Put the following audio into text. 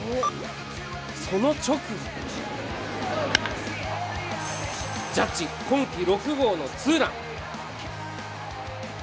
その直後ジャッジ、今季６号のツーラン。